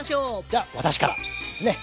じゃあ私からですね。